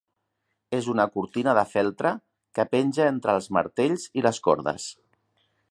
És una cortina de feltre que penja entre els martells i les cordes.